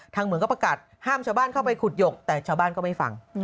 เหมืองก็ประกาศห้ามชาวบ้านเข้าไปขุดหยกแต่ชาวบ้านก็ไม่ฟัง